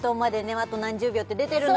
あと何十秒って出てるの